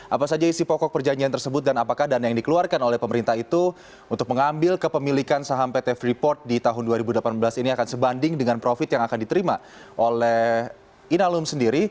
apa saja isi pokok perjanjian tersebut dan apakah dana yang dikeluarkan oleh pemerintah itu untuk mengambil kepemilikan saham pt freeport di tahun dua ribu delapan belas ini akan sebanding dengan profit yang akan diterima oleh inalum sendiri